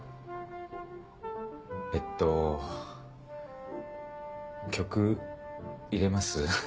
えっと曲入れます？